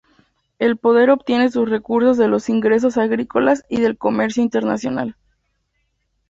El poder obtiene sus recursos de los ingresos agrícolas y del comercio internacional.